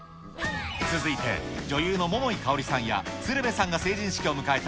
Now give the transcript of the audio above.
続いて、女優の桃井かおりさんや鶴瓶さんが成人式を迎えた